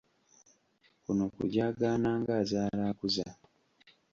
Kuno kujaagaana ng'azaala akuza!